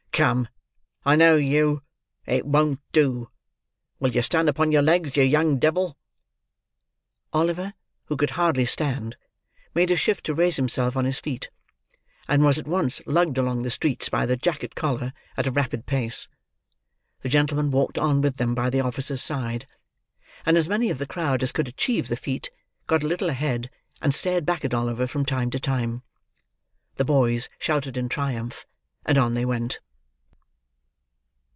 "Come, I know you; it won't do. Will you stand upon your legs, you young devil?" Oliver, who could hardly stand, made a shift to raise himself on his feet, and was at once lugged along the streets by the jacket collar, at a rapid pace. The gentleman walked on with them by the officer's side; and as many of the crowd as could achieve the feat, got a little ahead, and stared back at Oliver from time to time. The boys shouted in triumph; and on they went.